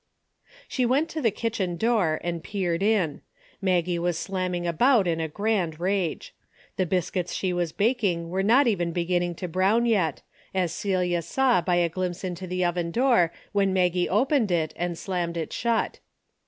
She went to the kitchen door and peered in. Maggie was slamming about in a grand rage. The biscuits she was baking were not even beginning to brown yet, as Celia saw by a glimpse into the oven door when Maggie opened it and slammed it shut.